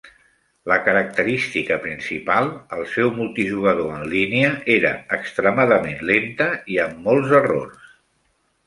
La característica principal, el seu multijugador en línia, era extremadament lenta i amb molts errors.